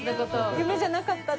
夢じゃなかったって。